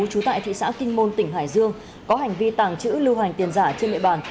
trú tại thị xã kinh môn tỉnh hải dương có hành vi tàng trữ lưu hành tiền giả trên địa bàn